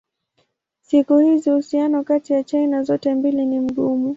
Siku hizi uhusiano kati ya China zote mbili ni mgumu.